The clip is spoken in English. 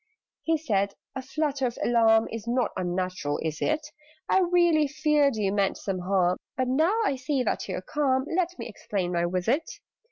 He said "A flutter of alarm Is not unnatural, is it? I really feared you meant some harm: But, now I see that you are calm, Let me explain my visit.